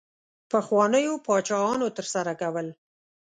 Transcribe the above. پخوانیو پاچاهانو ترسره کول.